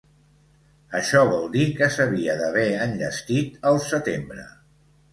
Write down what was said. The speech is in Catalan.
Això vol dir que s’havia d’haver enllestit al setembre.